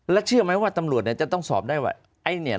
แล้วเชื่อไหมว่าตำรวจจะต้องสอบได้ว่า